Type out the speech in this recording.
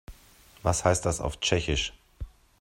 Was heißt das auf Tschechisch?